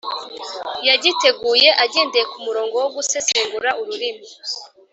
Yagiteguye agendeye ku murongo wo gusesengura ururimi